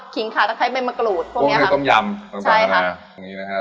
คริงคาตะไทยเป็นมะกรูดพวกเนี้ยครับพวกมันก็คือต้มยำใช่ค่ะตรงนี้นะคะ